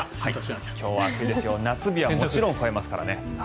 今日は暑いですよ夏日はもちろん超えますからね。